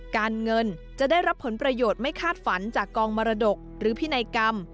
การเงินจะได้รับผลประโยชน์ไม่คาดฝันจากกองมรดกหรือพินัยกรรม